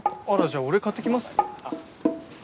じゃあ俺買って来ます。